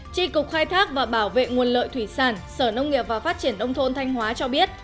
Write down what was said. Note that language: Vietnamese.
tri cục khai thác và bảo vệ nguồn lợi thủy sản sở nông nghiệp và phát triển nông thôn thanh hóa cho biết